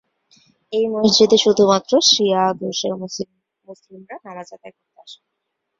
এই মসজিদে শুধুমাত্র শিয়া আদর্শের মুসলিমরা নামায আদায় করতে আসেন।